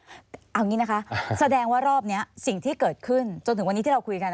เอาอย่างนี้นะคะแสดงว่ารอบนี้สิ่งที่เกิดขึ้นจนถึงวันนี้ที่เราคุยกัน